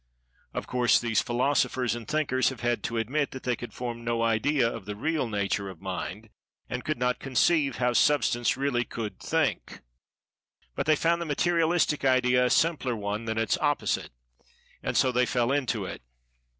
Of course, these philosophers and thinkers have had to admit that they could form no idea of the real nature of Mind, and could not conceive how Substance really could "think," but they found the Materialistic idea a simpler one that its[Pg 202] opposite, and so they fell into it.